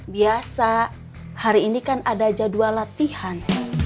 biasa hari ini kan ada jadwal latihan